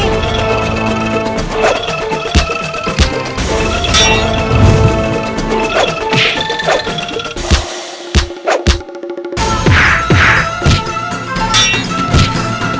kau baunya kasar shown